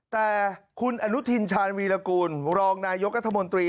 แต่คุณอนุทินชาญวีรกูลรองนายกรัฐมนตรี